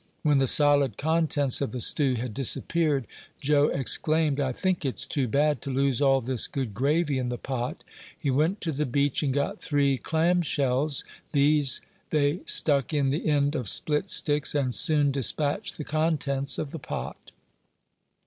When the solid contents of the stew had disappeared, Joe exclaimed, "I think it's too bad to lose all this good gravy in the pot." He went to the beach and got three clam shells; these they stuck in the end of split sticks, and soon despatched the contents of the pot.